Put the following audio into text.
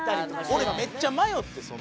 俺めっちゃ迷って。